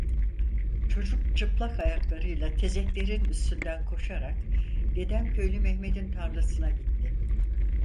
Çocuk çıplak ayaklarıyla tezeklerin üstünden koşarak Dedemköylü Mehmet'in tarlasına gitti.